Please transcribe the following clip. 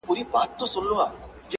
مثبت تصوير تر نړيوالو رسوي